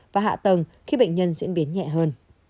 và hạ tầng khi bệnh nhân diễn biến nhẹ hơn